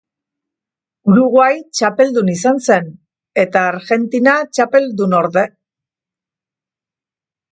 Uruguai txapeldun izan zen eta Argentina, txapeldunorde.